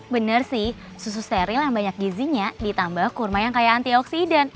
bener sih susu steril yang banyak gizi nya ditambah kurma yang kaya anti oksidan